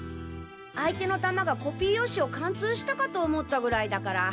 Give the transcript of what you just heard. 相手の弾がコピー用紙を貫通したかと思ったぐらいだから。